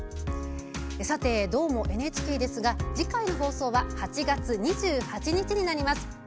さて「どーも、ＮＨＫ」ですが次回の放送は８月２８日になります。